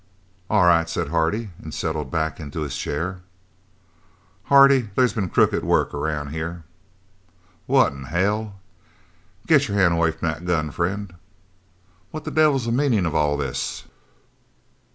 "All right," said Hardy, and settled back into his chair. "Hardy, there's been crooked work around here." "What in hell " "Get your hand away from that gun, friend." "What the devil's the meaning of all this?"